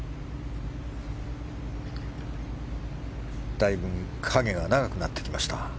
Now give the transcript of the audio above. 大分、影が長くなってきました。